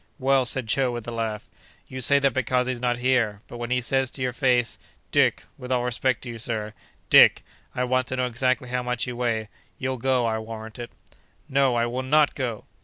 "Well!" said Joe with a laugh, "you say that because he's not here; but when he says to your face, 'Dick!' (with all respect to you, sir,) 'Dick, I want to know exactly how much you weigh,' you'll go, I warrant it." "No, I will not go!"